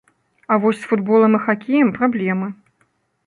А вось з футболам і хакеем праблемы.